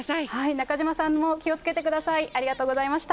中島さんも気をつけてください。